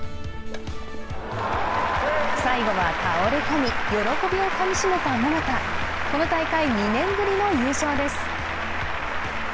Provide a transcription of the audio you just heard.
最後は倒れ込み、喜びをかみしめた桃田、この大会２年ぶりの優勝です。